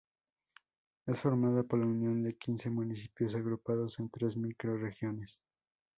Es formada por la unión de quince municipios agrupados en tres microrregiones.